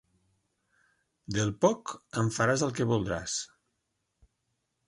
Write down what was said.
Del poc, en faràs el que voldràs.